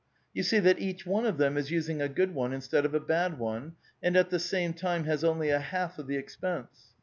You see that each one of them is using a good one instead of a bad one, and at the same time has only a half of the expense.